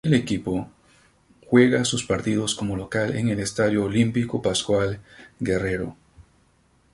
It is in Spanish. El equipo juega sus partidos como local en el Estadio Olímpico Pascual Guerrero.